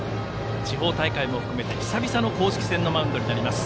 地方大会も含めて久々の公式戦のマウンドになります。